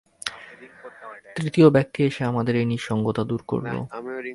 তৃতীয় ব্যক্তি এসে আমাদের এই নিঃসঙ্গতা দূর করল।